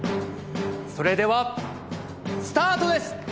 それではスタートです！